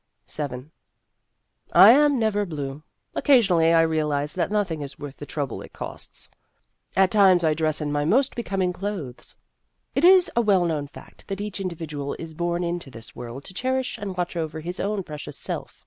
VII I am never blue. Occasionally I realize that nothing is worth the trouble it costs ; That Athletic Girl 209 at such times I dress in my most becom ing clothes. (It is a well known fact that each individual is born into this world to cherish and watch over his own precious self.